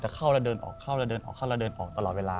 จะเข้าแล้วเดินออกเข้าแล้วเดินออกเข้าแล้วเดินออกเข้าแล้วเดินออก